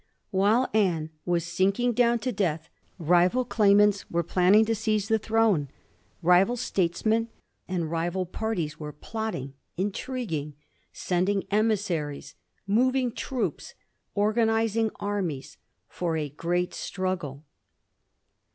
While Anne was sinking down to death rival claimants were planning to seize the throne; rival statesmen and rival parties were plotting, intriguing, sending emissaries, moving troops, organising armies, for a great struggle.